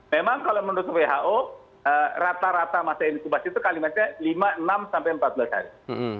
memang kalau menurut who rata rata masa inkubasi itu kalimatnya lima enam sampai empat belas hari